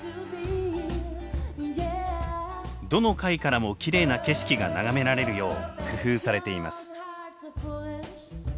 どの階からもきれいな景色が眺められるよう工夫されています。